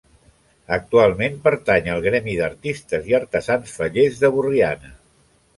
Actualment pertany al Gremi d'Artistes i Artesans Fallers de Borriana.